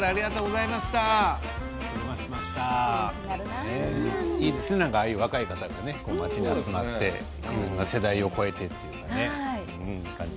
いいですね、ああいう若い方が町に集まって世代を超えてというかね。